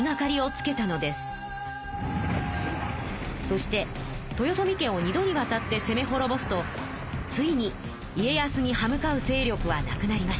そして豊臣家を二度にわたってせめほろぼすとついに家康に歯向かう勢力は無くなりました。